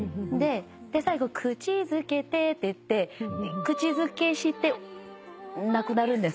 最後「口づけて」って言って口づけして亡くなるんですけど。